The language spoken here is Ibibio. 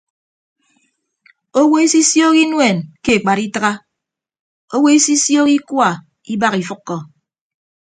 Owo isisioho inuen ke ekpat itịgha owo isisioho ikua ibak ifʌkkọ.